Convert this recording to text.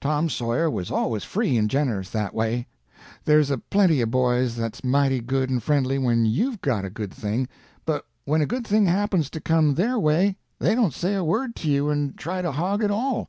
Tom Sawyer was always free and generous that way. There's a plenty of boys that's mighty good and friendly when you've got a good thing, but when a good thing happens to come their way they don't say a word to you, and try to hog it all.